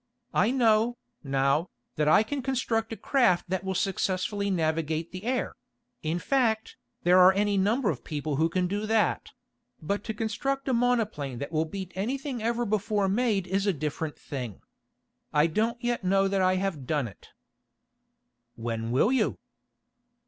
I know, now, that I can construct a craft that will successfully navigate the air; in fact, there are any number of people who can do that; but to construct a monoplane that will beat anything ever before made is a different thing. I don't yet know that I have done it." "When will you?"